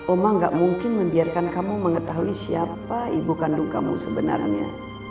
oma gak mungkin membiarkan kamu mengetahui siapa ibu kandung kamu sebenarnya